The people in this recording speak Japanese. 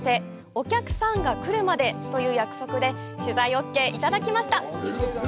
お客さんが来るまでという約束で取材ＯＫいただきました。